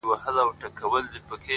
ه ولي په زاړه درد کي پایماله یې؛